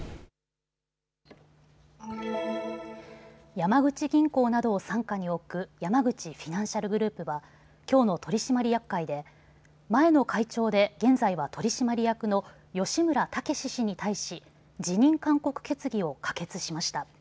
山口銀行などを傘下に置く山口フィナンシャルグループはきょうの取締役会で前の会長で現在は取締役の吉村猛氏に対し辞任勧告決議を可決しました。